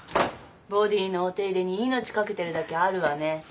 ボディーのお手入れに命懸けてるだけあるわね。